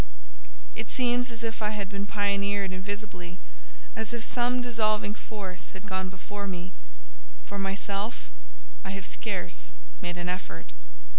It seems as if I had been pioneered invisibly, as if some dissolving force had gone before me: for myself, I have scarce made an effort.